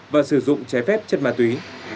và sử dụng trái phép chất ma túy